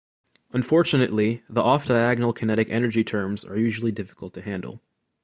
Unfortunately, the off-diagonal kinetic energy terms are usually difficult to handle.